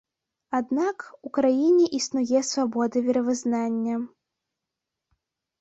Аднак, у краіне існуе свабода веравызнання.